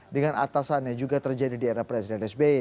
dengan atasannya juga terjadi di era presiden sby